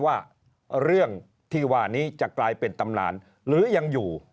ว่าเรื่องที่ว่านี้จะกลายเป็นตำนานหรือยังอยู่